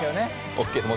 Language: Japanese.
ＯＫです。